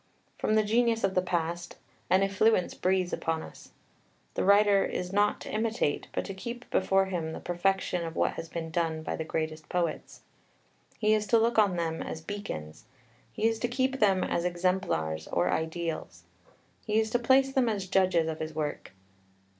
From the genius of the past "an effluence breathes upon us." The writer is not to imitate, but to keep before him the perfection of what has been done by the greatest poets. He is to look on them as beacons; he is to keep them as exemplars or ideals. He is to place them as judges of his work.